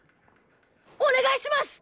おねがいします！